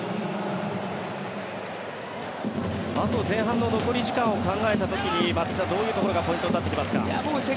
あと前半の残り時間を考えた時に松木さん、どういうところがポイントになってきますか？